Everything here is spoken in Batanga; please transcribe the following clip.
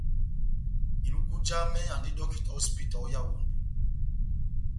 Iluku jamɛ andi dɔkita ó hosipita ó Yaondɛ.